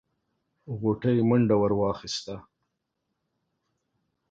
غوټۍ منډه ور واخيسته.